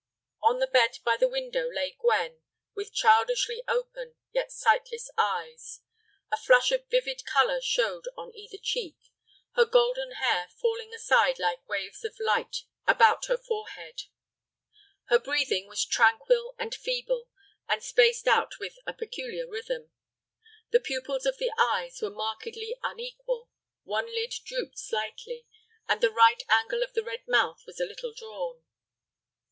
On the bed by the window lay Gwen, with childishly open yet sightless eyes. A flush of vivid color showed on either cheek, her golden hair falling aside like waves of light about her forehead. Her breathing was tranquil and feeble, and spaced out with a peculiar rhythm. The pupils of the eyes were markedly unequal; one lid drooped slightly, and the right angle of the red mouth was a little drawn.